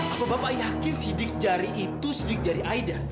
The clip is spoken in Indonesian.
apa bapak yakin sidik jari itu sidik jari aida